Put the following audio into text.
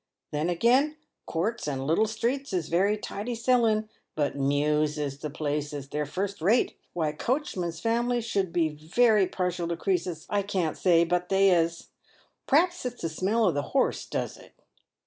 Then again, courts and little streets is very tidy selling, but mews is the places. They're first rate. Why coachmens' families should be so very partial to creases, I can't say, but they is. Perhaps it's the smell of the horses does it."